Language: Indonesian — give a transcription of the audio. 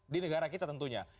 di negara kita tentunya